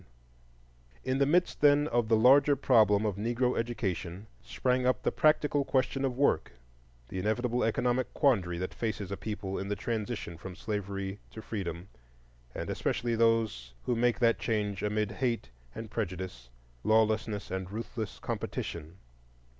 In the midst, then, of the larger problem of Negro education sprang up the more practical question of work, the inevitable economic quandary that faces a people in the transition from slavery to freedom, and especially those who make that change amid hate and prejudice, lawlessness and ruthless competition.